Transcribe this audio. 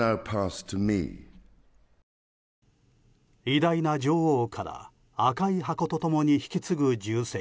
偉大な女王から赤い箱と共に引き継ぐ重責。